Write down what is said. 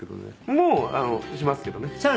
もうしますけどね」